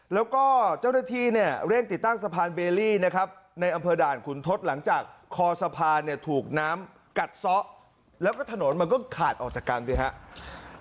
แล้วก็เจ้าหน้าที่เนี่ยเร่งติดตั้งสะพานเบลลี่นะครับในอำเภอด่านขุนทศหลังจากคอสะพานเนี่ยถูกน้ำกัดซะแล้วก็ถนนมันก็ขาดออกจากกันสิครับ